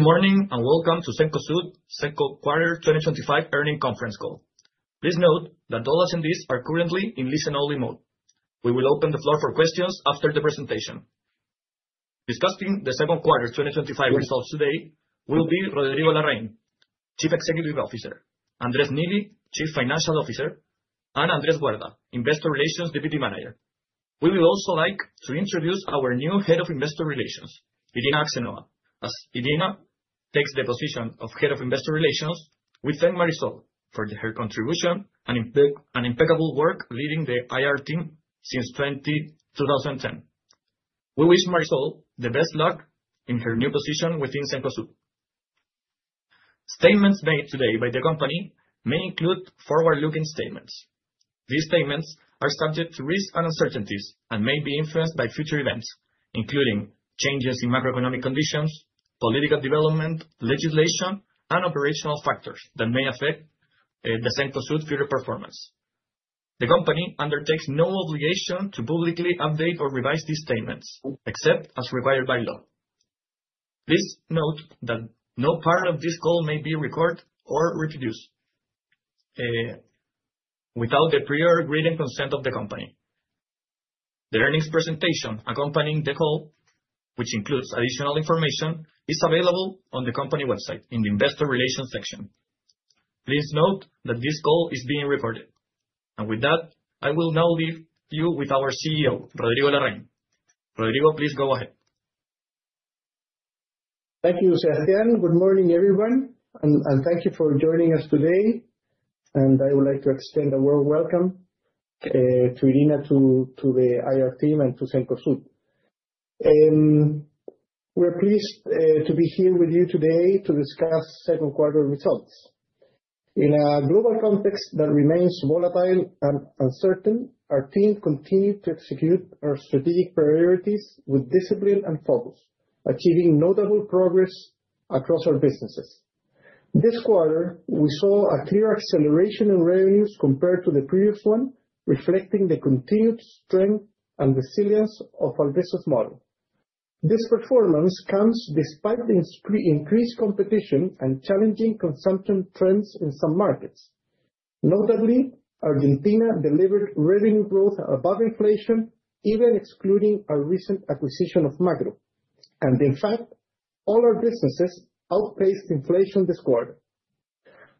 Good morning and welcome to Cencosud Second Quarter 2025 Earnings Conference Call. Please note that all attendees are currently in listen-only mode. We will open the floor for questions after the presentation. Discussing the second quarter 2025 results today will be Rodrigo Larraín, Chief Executive Officer, Andrés Neely, Chief Financial Officer, and Andrés Guarda, Investor Relations Deputy Manager. We would also like to introduce our new Head of Investor Relations, Irina Axenova. As Irina takes the position of Head of Investor Relations, we thank Marisol for her contribution and impeccable work leading the IR team since 2010. We wish Marisol the best luck in her new position within Cencosud. Statements made today by the company may include forward-looking statements. These statements are subject to risks and uncertainties and may be influenced by future events, including changes in macroeconomic conditions, political developments, legislation, and operational factors that may affect the Cencosud future performance. The company undertakes no obligation to publicly update or revise these statements except as required by law. Please note that no part of this call may be recorded or reproduced without the pre-agreed consent of the company. The earnings presentation accompanying the call, which includes additional information, is available on the company website in the Investor Relations section. Please note that this call is being recorded. With that, I will now leave you with our CEO, Rodrigo Larraín. Rodrigo, please go ahead. Thank you, Sergio. Good morning, everyone. Thank you for joining us today. I would like to extend a warm welcome to Irina, to the IR team, and to Cencosud. We're pleased to be here with you today to discuss second quarter results. In a global context that remains volatile and uncertain, our team continued to execute our strategic priorities with discipline and focus, achieving notable progress across our businesses. This quarter, we saw a clear acceleration in revenues compared to the previous one, reflecting the continued strength and resilience of our business model. This performance comes despite the increased competition and challenging consumption trends in some markets. Notably, Argentina delivered revenue growth above inflation, even excluding our recent acquisition of Magro. In fact, all our businesses outpaced inflation this quarter.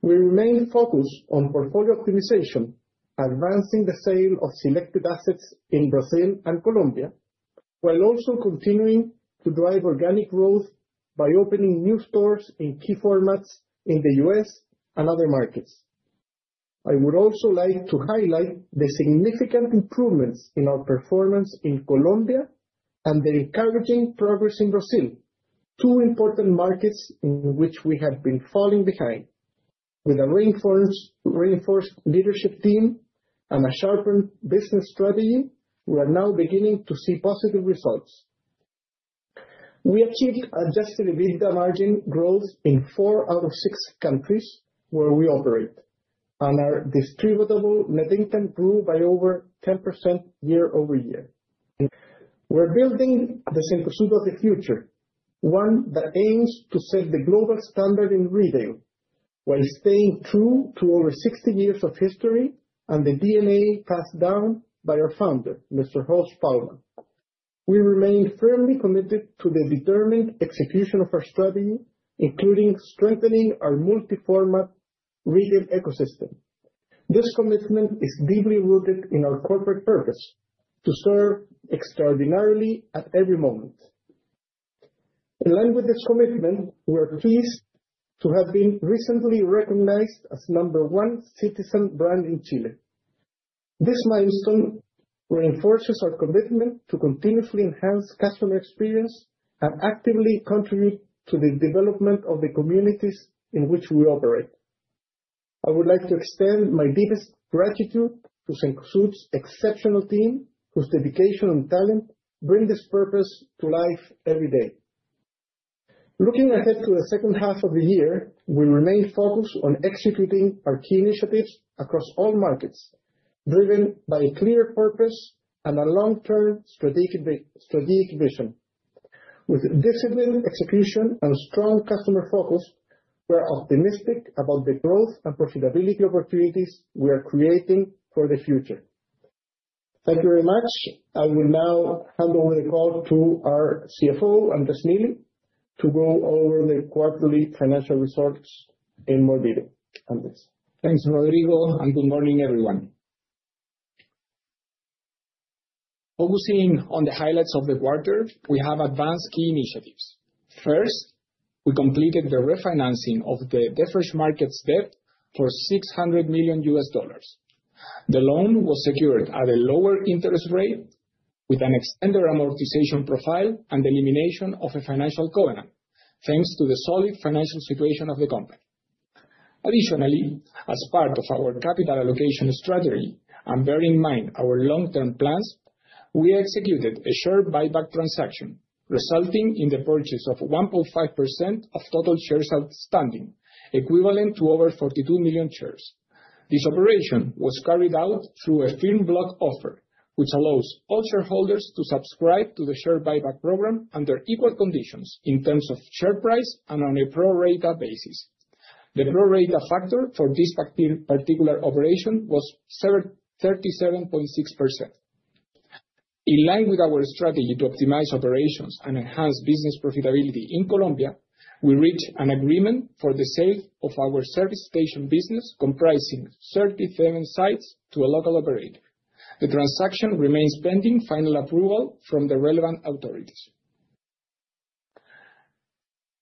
We remain focused on portfolio optimization, advancing the sale of selected assets in Brazil and Colombia, while also continuing to drive organic growth by opening new stores in key formats in the U.S. and other markets. I would also like to highlight the significant improvements in our performance in Colombia and the encouraging progress in Brazil, two important markets in which we have been falling behind. With a reinforced leadership team and a sharpened business strategy, we are now beginning to see positive results. We achieved adjusted EBITDA margin growth in four out of six countries where we operate, and our distributable net income grew by over 10% year-over-year. We're building the Cencosud of the future, one that aims to set the global standard in retail while staying true to over 60 years of history and the DNA passed down by our founder, Mr. Horst Paulmann. We remain firmly committed to the determined execution of our strategy, including strengthening our multi-format retail ecosystem. This commitment is deeply rooted in our corporate purpose to serve extraordinarily at every moment. In line with this commitment, we are pleased to have been recently recognized as number one citizen brand in Chile. This milestone reinforces our commitment to continuously enhance customer experience and actively contribute to the development of the communities in which we operate. I would like to extend my deepest gratitude to Cencosud's exceptional team, whose dedication and talent bring this purpose to life every day. Looking ahead to the second half of the year, we remain focused on executing our key initiatives across all markets, driven by a clear purpose and a long-term strategic vision. With disciplined execution and strong customer focus, we're optimistic about the growth and profitability opportunities we are creating for the future. Thank you very much. I will now hand over the call to our CFO, Andrés Neely, to go over the quarterly financial results in more detail. Thanks, Rodrigo, and good morning, everyone. Focusing on the highlights of the quarter, we have advanced key initiatives. First, we completed the refinancing of the deferred markets debt for $600 million. The loan was secured at a lower interest rate with an extended amortization profile and the elimination of a financial covenant, thanks to the solid financial situation of the company. Additionally, as part of our capital allocation strategy, and bearing in mind our long-term plans, we executed a share buyback transaction, resulting in the purchase of 1.5% of total shares outstanding, equivalent to over 42 million shares. This operation was carried out through a firm block offer, which allows all shareholders to subscribe to the share buyback program under equal conditions in terms of share price and on a pro-rata basis. The pro-rata factor for this particular operation was 37.6%. In line with our strategy to optimize operations and enhance business profitability in Colombia, we reached an agreement for the sale of our service station business, comprising 37 sites to a local operator. The transaction remains pending final approval from the relevant authorities.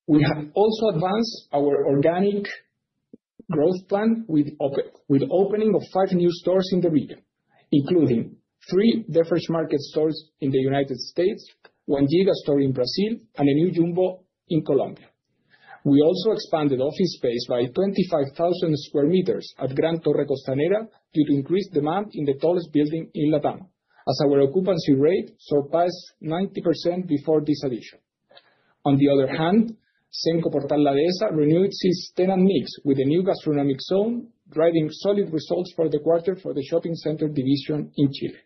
We have also advanced our organic growth plan with the opening of five new stores in the region, including three DeFresh market stores in the United States, one Giga store in Brazil, and a new Jumbo in Colombia. We also expanded office space by 25,000 square meters at Gran Torre Costanera due to increased demand in the tallest building in Latin America, as our occupancy rate surpassed 90% before this addition. On the other hand, Cenco Portal La Dehesa renewed its tenant mix with the new gastronomic zone, driving solid results for the quarter for the shopping center division in Chile.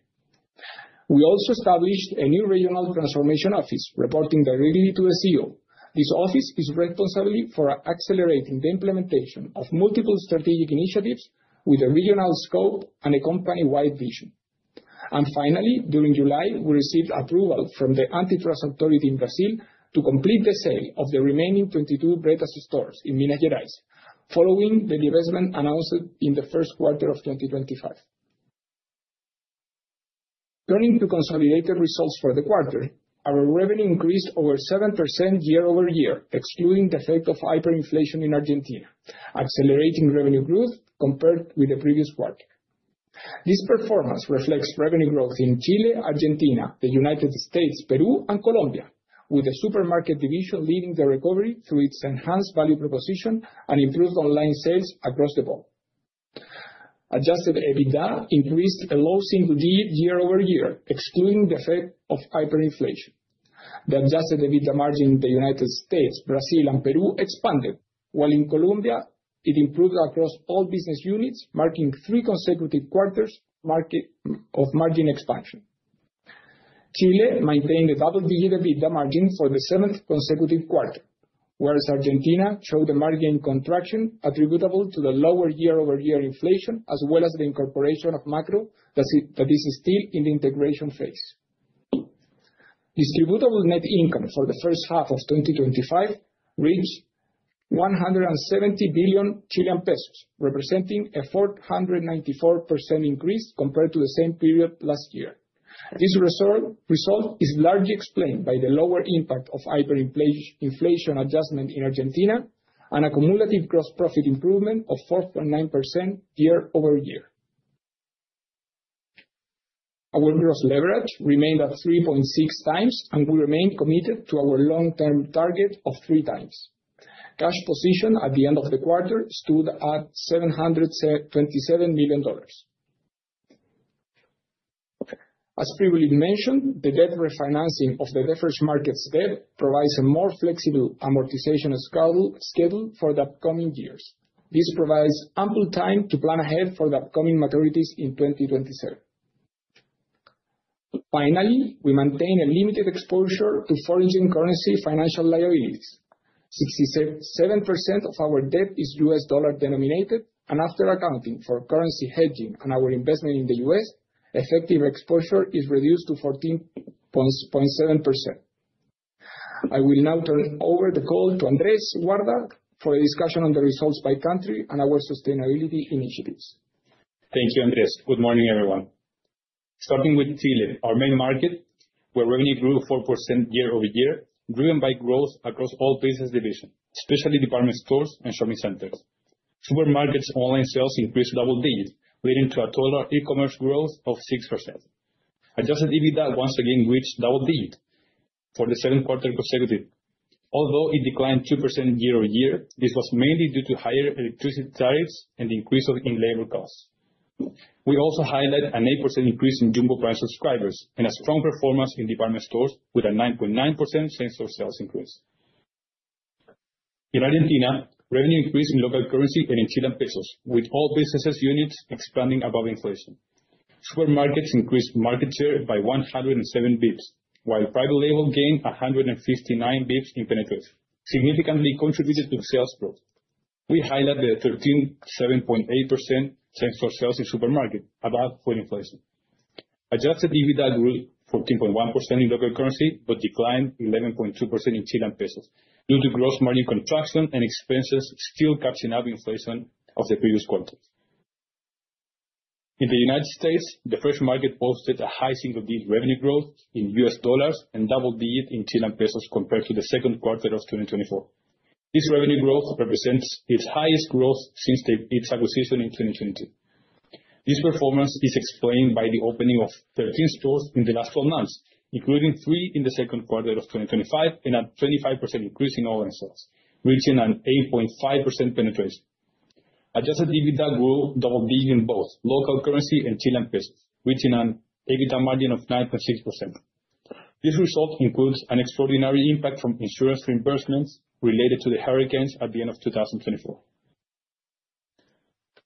We also established a new regional transformation office, reporting directly to the CEO. This office is responsible for accelerating the implementation of multiple strategic initiatives with a regional scope and a company-wide vision. Finally, during July, we received approval from the Antitrust Authority in Brazil to complete the sale of the remaining 22 Bretas stores in Minas Gerais, following the investment announced in the first quarter of 2023. Turning to consolidated results for the quarter, our revenue increased over 7% year-over-year, excluding the effect of hyperinflation in Argentina, accelerating revenue growth compared with the previous quarter. This performance reflects revenue growth in Chile, Argentina, the United States, Peru, and Colombia, with the supermarket division leading the recovery through its enhanced value proposition and improved online sales across the board. Adjusted EBITDA increased below single digit year-over-year, excluding the effect of hyperinflation. The adjusted EBITDA margin in the United States, Brazil, and Peru expanded, while in Colombia, it improved across all business units, marking three consecutive quarters of margin expansion. Chile maintained a double-digit EBITDA margin for the seventh consecutive quarter, whereas Argentina showed a margin contraction attributable to the lower year-over-year inflation, as well as the incorporation of Macro, that is still in the integration phase. Distributable net income for the first half of 2025 reached CLP 170 billion, representing a 494% increase compared to the same period last year. This result is largely explained by the lower impact of hyperinflation adjustment in Argentina and a cumulative gross profit improvement of 4.9% year-over- year. Our gross leverage remained at 3.6x, and we remain committed to our long-term target of 3x. Cash position at the end of the quarter stood at $727 million. As previously mentioned, the debt refinancing of the deferred markets debt provides a more flexible amortization schedule for the upcoming years. This provides ample time to plan ahead for the upcoming maturities in 2027. Finally, we maintain a limited exposure to foreign currency financial liabilities. 67% of our debt is U.S. dollar denominated, and after accounting for currency hedging and our investment in the U.S., effective exposure is reduced to 14.7%. I will now turn over the call to Andrés Guarda for a discussion on the results by country and our sustainability initiatives. Thank you, Andrés. Good morning, everyone. Starting with Chile, our main market, where revenue grew 4% year-over-year, driven by growth across all business divisions, especially department stores and shopping centers. Supermarkets' online sales increased double digits, leading to a total e-commerce growth of 6%. Adjusted EBITDA once again reached double digits for the seventh quarter consecutively. Although it declined 2% year-over-year, this was mainly due to higher electricity tariffs and the increase in labor costs. We also highlighted an 8% increase in Jumbo price subscribers and a strong performance in department stores with a 9.9% sales increase. In Argentina, revenue increased in local currency and in Chilean pesos, with all business units expanding above inflation. Supermarkets increased market share by 107 bps, while private label gained 159 bps in penetration, significantly contributing to sales growth. We highlight the 13.8% sales in supermarkets above food inflation. Adjusted EBITDA grew 14.1% in local currency but declined 11.2% in Chilean pesos due to gross margin contraction and expenses still catching up to inflation of the previous quarter. In the United States, The Fresh Market posted a high single-digit revenue growth in U.S. dollars and double digits in Chilean pesos compared to the second quarter of 2024. This revenue growth represents its highest growth since its acquisition in 2022. This performance is explained by the opening of 13 stores in the last 12 months, including three in the second quarter of 2025, and a 25% increase in online sales, reaching an 8.5% penetration. Adjusted EBITDA grew double digits in both local currency and Chilean pesos, reaching an EBITDA margin of 9.6%. This result includes an extraordinary impact from insurance reimbursements related to the hurricanes at the end of 2024.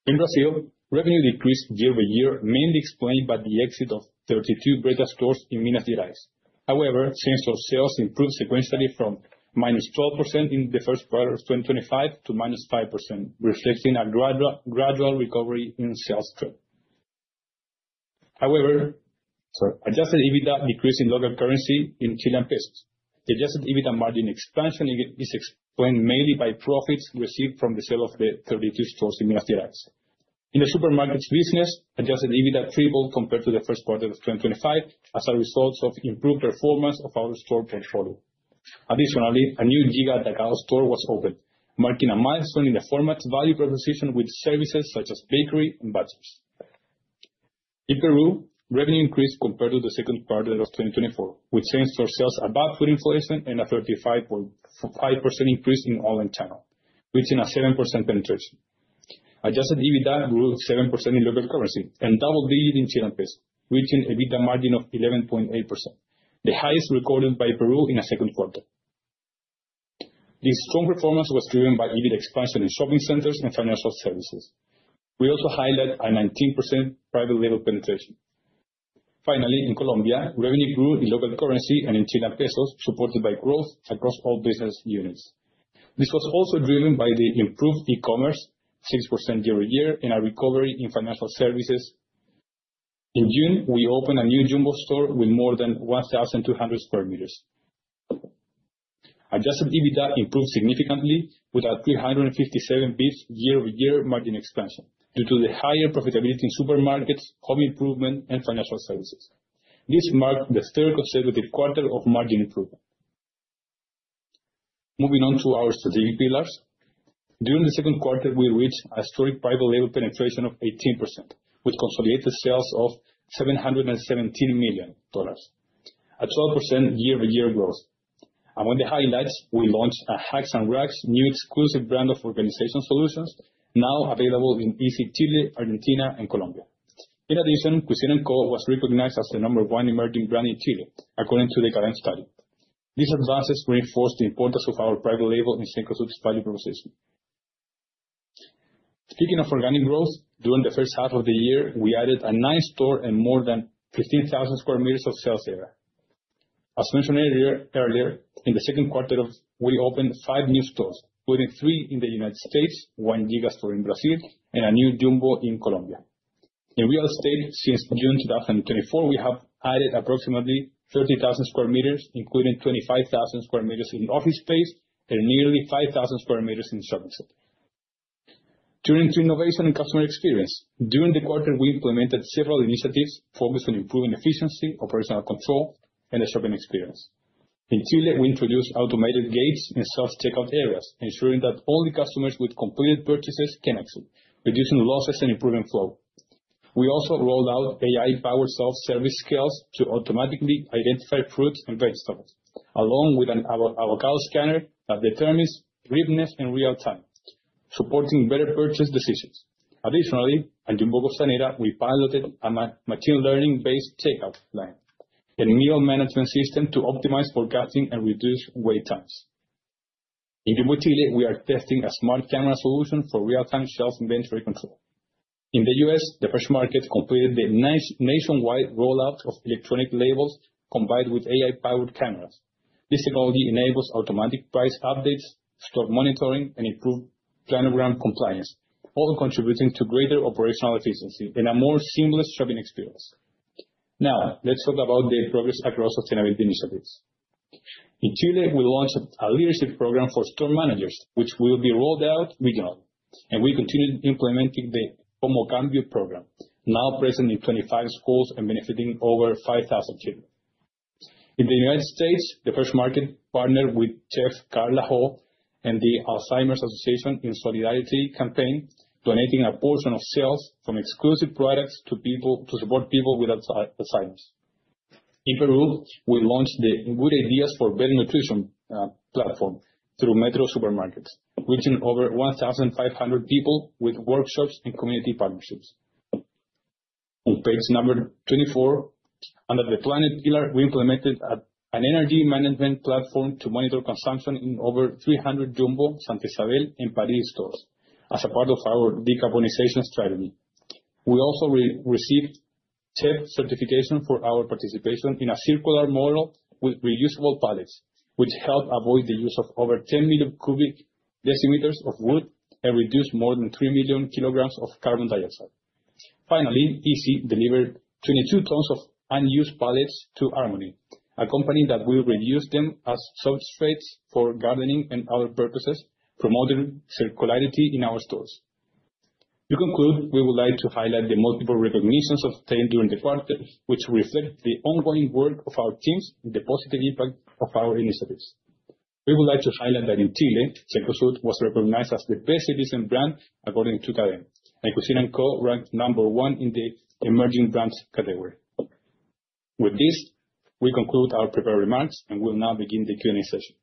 In Brazil, revenue decreased year-over-year, mainly explained by the exit of 32 Bretas stores in Minas Gerais. However, sales improved sequentially from -12% in the first quarter of 2025 to -5%, reflecting a gradual recovery in sales growth. However, adjusted EBITDA decreased in local currency and Chilean pesos. The adjusted EBITDA margin expansion is explained mainly by profits received from the sale of the 32 stores in Minas Gerais. In the supermarket business, adjusted EBITDA tripled compared to the first quarter of 2025 as a result of improved performance of our store portfolio. Additionally, a new GIGA Atacado store was opened, marking a milestone in the format value proposition with services such as bakery and butchers. In Peru, revenue increased compared to the second quarter of 2024, with sales above food inflation and a 35.5% increase in online channel, reaching a 7% penetration. Adjusted EBITDA grew 7% in local currency and double digits in Chilean pesos, reaching an EBITDA margin of 11.8%, the highest recorded by Peru in the second quarter. This strong performance was driven by EBITDA expansion in shopping centers and financial services. We also highlight a 19% private label penetration. Finally, in Colombia, revenue grew in local currency and in Chilean pesos, supported by growth across all business units. This was also driven by the improved e-commerce, 6% year-over-year, and a recovery in financial services. In June, we opened a new Jumbo store with more than 1,200 square meters. Adjusted EBITDA improved significantly with a 357 bps year-over-year margin expansion due to the higher profitability in supermarkets, home improvement, and financial services. This marked the third consecutive quarter of margin improvement. Moving on to our strategic pillars, during the second quarter, we reached a strong private label penetration of 18%, with consolidated sales of $717 million, a 12% year-over-year growth. Among the highlights, we launched a Hacks and Wracks new exclusive brand of organizational solutions, now available in Easy Chile, Argentina, and Colombia. In addition, Cuisine & Co was recognized as the number one emerging brand in Chile, according to the current study. These advances reinforced the importance of our private label in Cencosud's value proposition. Speaking of organic growth, during the first half of the year, we added a nice store and more than 15,000 square meters of sales area. As mentioned earlier, in the second quarter, we opened five new stores, including three in the United States, one Giga Atacado store in Brazil, and a new Jumbo in Colombia. In real estate, since June 2024, we have added approximately 30,000 square meters, including 25,000 square meters in office space and nearly 5,000 square meters in shopping centers. Turning to innovation and customer experience, during the quarter, we implemented several initiatives focused on improving efficiency, operational control, and the shopping experience. In Chile, we introduced automated gates in sales checkout areas, ensuring that only customers with completed purchases can exit, reducing losses and improving flow. We also rolled out AI-powered self-service scales to automatically identify fruits and vegetables, along with an avocado scanner that determines ripeness in real time, supporting better purchase decisions. Additionally, at Jumbo Costanera, we piloted a machine learning-based takeout plan, a meal management system to optimize forecasting and reduce wait times. In Jumbo Chile, we are testing a smart camera solution for real-time shelf inventory control. In the U.S., The Fresh Market completed the nationwide rollout of electronic labels combined with AI-powered cameras. This technology enables automatic price updates, store monitoring, and improved planogram compliance, all contributing to greater operational efficiency and a more seamless shopping experience. Now, let's talk about the progress across sustainability initiatives. In Chile, we launched a leadership program for store managers, which will be rolled out with John, and we continue implementing the pomo cambio program, now present in 25 schools and benefiting over 5,000 children. In the United States, The Fresh Market partnered with Chef Carla Ho and the Alzheimer's Association in a solidarity campaign, donating a portion of sales from exclusive products to support people with Alzheimer's. In Peru, we launched the Good Ideas for Better Nutrition platform through Metro Supermarkets, reaching over 1,500 people with workshops and community partnerships. On page number 24, under the planet pillar, we implemented an energy management platform to monitor consumption in over 300 Jumbo, Santa sabell, and Paris stores as a part of our decarbonization strategy. We also received TEP certification for our participation in a circular model with reusable pallets, which helped avoid the use of over 10 million cubic decimeters of wood and reduced more than 3 million kilograms of carbon dioxide. Finally, EC delivered 22 tons of unused pallets to Harmony, a company that will reuse them as substrates for gardening and other purposes, promoting circularity in our stores. To conclude, we would like to highlight the multiple recognitions obtained during the quarter, which reflect the ongoing work of our teams and the positive impact of our initiatives. We would like to highlight that in Chile, Cencosud was recognized as the best citizen brand according to Cadence, and Cuisine & Co ranked number one in the emerging brands category. With this, we conclude our prepared remarks and will now begin the Q&A session.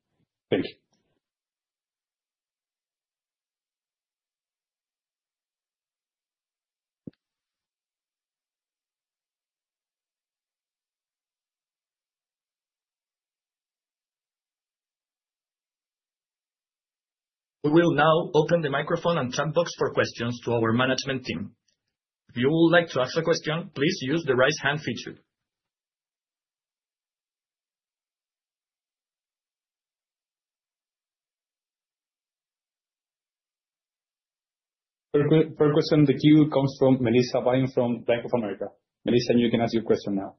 We will now open the microphone and chat box for questions to our management team. If you would like to ask a question, please use the raise hand feature. First question in the queue comes from Melissa Vine from Bank of America. Melissa, you can ask your question now.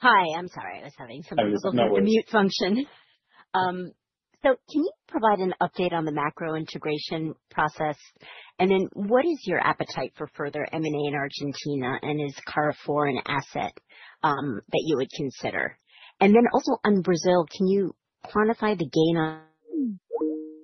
Hi, I'm sorry. I was having some trouble with the mute function. Can you provide an update on the macro integration process? What is your appetite for further M&A in Argentina? Is Carrefour an asset that you would consider? Also, in Brazil, can you quantify the gain on?